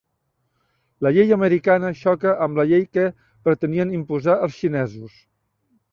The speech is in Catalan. La llei americana xoca amb la llei que pretenien imposar els xinesos